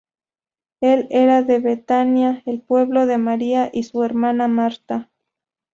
Él era de Betania, el pueblo de María y su hermana Marta.